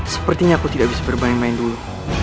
sepertinya aku tidak bisa bermain main dulu